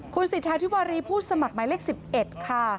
คุณสิทธาธิวารีผู้สมัครหมายเลข๑๑ค่ะ